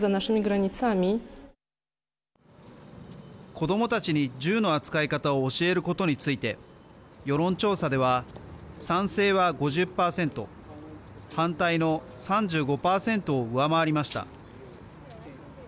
子どもたちに銃の扱い方を教えることについて世論調査では賛成は５０％反対の３５％を上回りました。